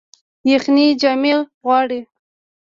یخني جامې غواړي